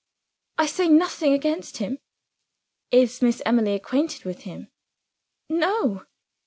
"I say nothing against him." "Is Miss Emily acquainted with him?" "No."